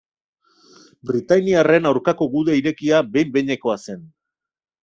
Britaniarren aurkako guda irekia behin-behinekoa zen.